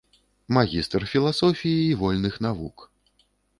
Магістр філасофіі і вольных навук.